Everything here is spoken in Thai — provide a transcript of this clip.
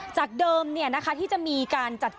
จากเดิมเนี่ยนะคะที่จะมีการเลือกตั้ง